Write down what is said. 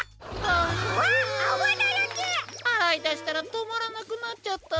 あらいだしたらとまらなくなっちゃった。